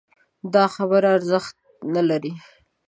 دا خبره ارزښت نه لري